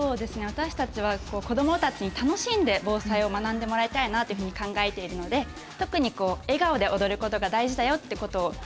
私たちは子どもたちに楽しんで防災を学んでもらいたいなというふうに考えているので特に笑顔で踊ることが大事だよってことを意識しながら伝えています。